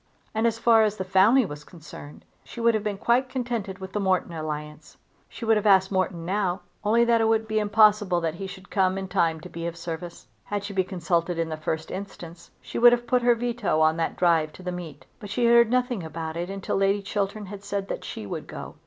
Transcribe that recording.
And, as far as the family was concerned, she would have been quite contented with the Morton alliance. She would have asked Morton now only that it would be impossible that he should come in time to be of service. Had she been consulted in the first instance she would have put her veto on that drive to the meet: but she had heard nothing about it until Lady Chiltern had said that she would go.